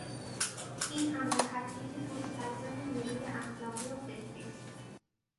این امر خطیر مستلزم نیروی اخلاقی و فکری است.